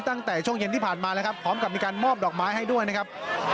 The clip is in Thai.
ตั้งแต่ช่วงเย็นที่ผ่านมาแล้วครับพร้อมกับมีการมอบดอกไม้ให้ด้วยนะครับ